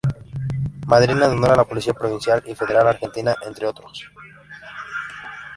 Madrina de honor de la Policía Provincial y Federal Argentina entre otros.